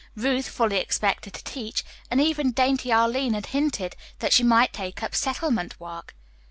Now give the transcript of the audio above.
Ruth fully expected to teach, and even dainty Arline had hinted that she might take up settlement work.